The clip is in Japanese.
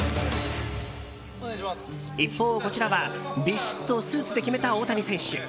一方、こちらはビシッとスーツで決めた大谷選手。